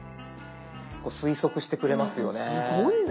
推測してくれますよね。